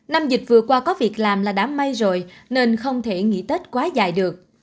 năm dịch vừa qua có việc làm là đã may rồi nên không thể nghỉ tết quá dài được